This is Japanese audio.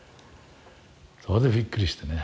そこでびっくりしてね。